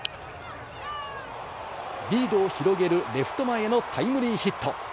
リードを広げるレフト前へのタイムリーヒット。